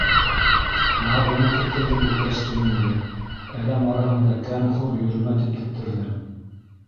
- Яҙ ғына тектерҙем бит кәстүмеңде, әҙәм араһында кәм-хур йөрөмә тип тектерҙем.